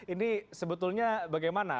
ini sebetulnya bagaimana